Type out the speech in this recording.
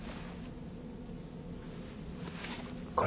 これ。